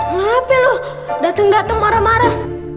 ngapain lo dateng dateng marah marah